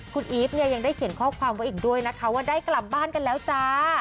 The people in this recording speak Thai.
คุณอีฟเนี่ยยังได้เขียนข้อความไว้อีกด้วยนะคะว่าได้กลับบ้านกันแล้วจ้า